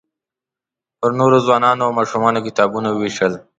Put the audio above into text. پر نوو ځوانانو او ماشومانو کتابونه ووېشل.